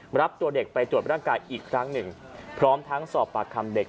รับตัวเด็กไปตรวจร่างกายอีกครั้งหนึ่งพร้อมทั้งสอบปากคำเด็ก